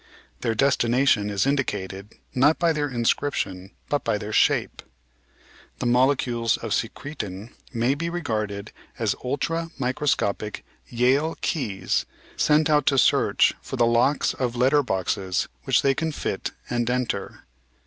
Their destination is indicated, not by their in scription, but by their shape. The molecules of secretin may be 356 The Outline of Science regarded as ultra microscopic Yale keys sent out to search for the locks of letter boxes which they can fit and enter."